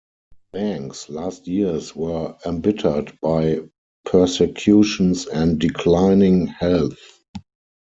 Bang's last years were embittered by persecutions and declining health.